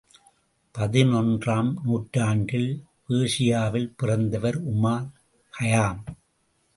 பதினொன்றாம் நூற்றாண்டில் பெர்ஷியாவில் பிறந்தவர் உமார் கயாம்.